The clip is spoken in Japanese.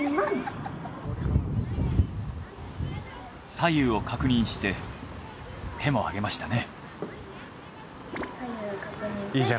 左右を確認して手もあげましたね。